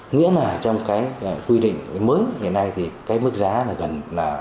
nghĩa là trong cái quy định mới hiện nay thì cái mức giá là gần